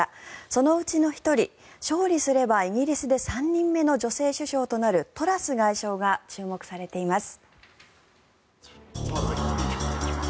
そのうちの１人、勝利すればイギリスで３人目の女性首相となるトラス外相が注目されています。